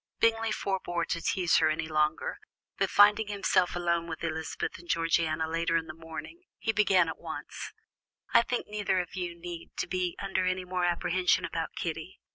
Bingley forbore to tease her any longer; but finding himself alone with Elizabeth and Georgiana later in the morning, he began at once: "I think neither of you need be under any more apprehension about Kitty.